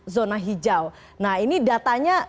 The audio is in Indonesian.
zona hijau nah ini datanya